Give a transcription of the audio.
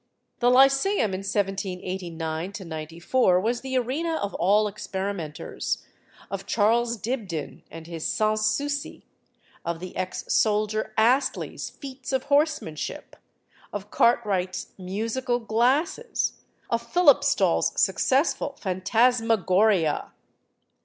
The Lyceum in 1789 94 was the arena of all experimenters of Charles Dibdin and his "Sans Souci," of the ex soldier Astley's feats of horsemanship, of Cartwright's "Musical Glasses," of Philipstal's successful "Phantasmagoria."